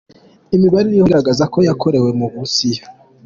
Imibare iriho igaragaza ko yakorewe mu Burusiya.